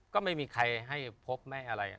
ก็ไม่มีใครให้พบไม่อะไร